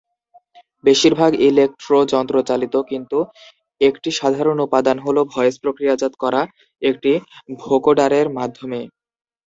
বেশিরভাগ ইলেক্ট্রো যন্ত্রচালিত, কিন্তু একটি সাধারণ উপাদান হল ভয়েস প্রক্রিয়াজাত করা একটি ভোকোডারের মাধ্যমে।